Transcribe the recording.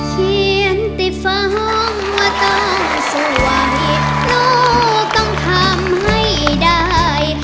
เขียนติดฟังว่าต้องสวยหนูต้องทำให้ได้